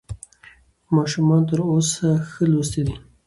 ماشومان تر اوسه ښه لوستي دي.